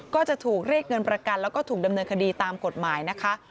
ก็จะถูกเรียกเงินประกันแล้วก็ถูกดำเนินคดีตามกฎหมายนะคะ